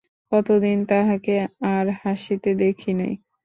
কতদিন তাহাকে আর হাসিতে দেখি নাই।